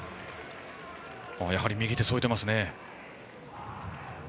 やはり右手を添えてますね。